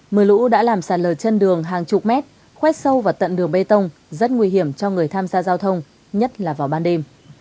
mưa lũ đã làm sạt lờ chân đường hàng chục mét khoét sâu vào tận đường bê tông rất nguy hiểm cho người tham gia giao thông nhất là vào ban đêm